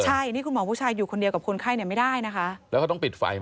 ใช่นี่คุณหมอผู้ชายอยู่คนเดียวกับคนไข้เนี่ยไม่ได้นะคะแล้วเขาต้องปิดไฟไหม